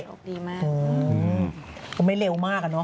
โชคดีมากก็ไม่เร็วมากอะเนาะ